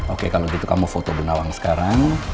oke kalau gitu kamu foto bu nawang sekarang